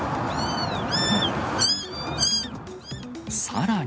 さらに。